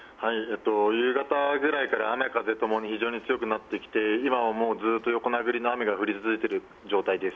夕方ぐらいから雨風ともに非常に強くなってきて今はもうずっと横殴りの雨が降り続いている状態です。